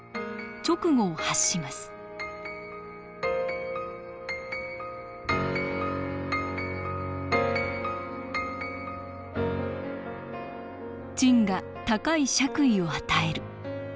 勅語を発します「朕が高い爵位を与える。